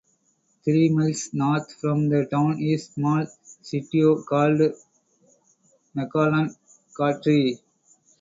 Three miles north from the town is a small sitio called Magallon Cadre.